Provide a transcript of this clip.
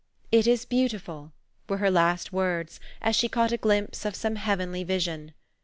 "It is beautiful," were her last words as she caught a glimpse of some heavenly vision.